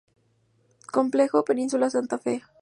Complejo: Península Santa Fe.